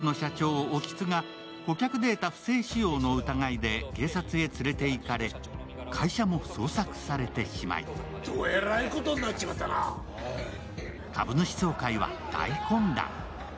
株主総会当日、ＳＡＧＡＳ社長の興津が顧客データ不正使用の疑いで警察へ連れていかれ会社も捜索されてしまい株主総会は大混乱。